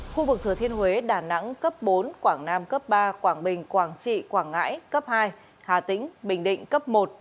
khu vực thừa thiên huế đà nẵng cấp bốn quảng nam cấp ba quảng bình quảng trị quảng ngãi cấp hai hà tĩnh bình định cấp một